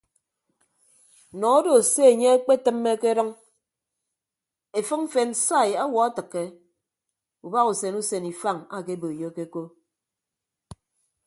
Nọ odo se enye ekpetịmme akedʌñ efịk mfen sai awuọ atịkke ubahausen usen ifañ akeboiyoke ko.